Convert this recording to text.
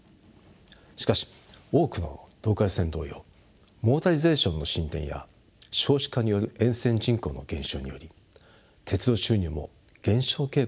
しかし多くのローカル線同様モータリゼーションの進展や少子化による沿線人口の減少により鉄道収入も減少傾向にあります。